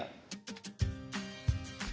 pembangunan pendidikan indonesia